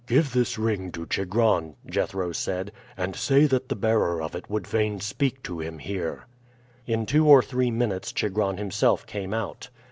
"Give this ring to Chigron," Jethro said, "and say that the bearer of it would fain speak to him here." In two or three minutes Chigron himself came out.